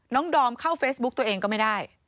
ดอมเข้าเฟซบุ๊กตัวเองก็ไม่ได้